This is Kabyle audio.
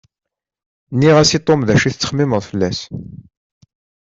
Nniɣ-as i Tom d acu i ttxemmimeɣ fell-as.